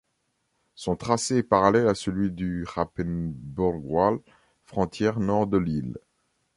Son tracé est parallèle à celui du Rapenburgwal, frontière nord de l'île.